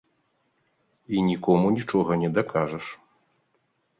І нікому нічога не дакажаш.